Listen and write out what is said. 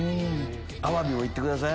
アワビも行ってください。